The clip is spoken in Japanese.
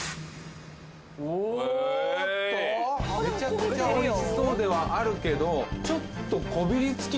おっとむちゃくちゃおいしそうではあるけどちょっとねえ